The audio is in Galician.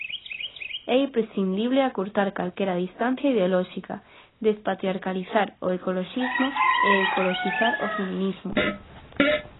É imprescindible acurtar calquera distancia ideolóxica: "despatriarcalizar" o ecoloxismo e "ecoloxizar" o feminismo.